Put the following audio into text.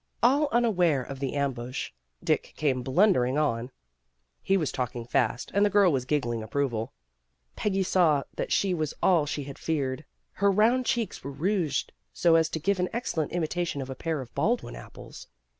All unaware of the ambush, Dick came blundering on. He was talking fast and the girl was giggling approval. Peggy saw that she was all she had feared. Her round cheeks were rouged so as to give an excellent imitation of a pair of Baldwin apples.